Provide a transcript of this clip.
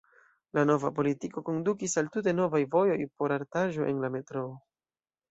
La nova politiko kondukis al tute novaj vojoj por artaĵoj en la metroo.